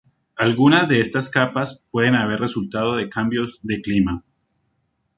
Algunas de estas capas pueden haber resultado de cambios de clima.